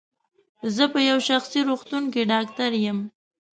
زه په یو شخصي روغتون کې ډاکټر یم.